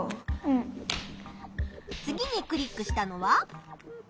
次にクリックしたのは？